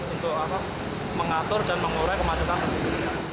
untuk mengatur dan mengurangi kemasukan tersebut